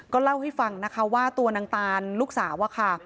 เล่าให้ฟังนะคะว่าตัวนางตานลูกสาวอะค่ะ